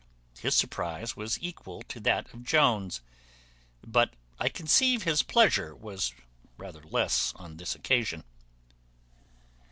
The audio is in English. His surprize was equal to that of Jones; but I conceive his pleasure was rather less on this occasion.